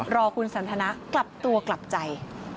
รอคุณสันทนากลับตัวกลับใจ